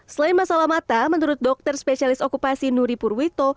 selain masalah mata menurut dokter spesialis okupasi nuri purwito